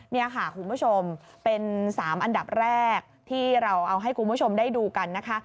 นี่ค่ะคุณผู้ชมเป็น๓อันดับแรกที่เราเอาให้คุณผู้ชมได้ดูกันนะคะ